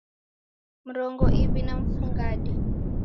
Mrongo iw'i na mfungade